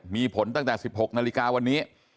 มีผลตั้งแต่๑๖นาฬิกาวันนี้